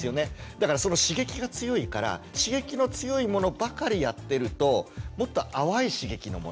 だからその刺激が強いから刺激の強いものばかりやってるともっと淡い刺激のもの。